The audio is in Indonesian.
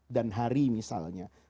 dan hari misalnya